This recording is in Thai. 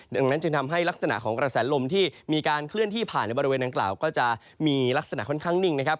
ดังนั้นจึงทำให้ลักษณะของกระแสลมที่มีการเคลื่อนที่ผ่านในบริเวณดังกล่าวก็จะมีลักษณะค่อนข้างนิ่งนะครับ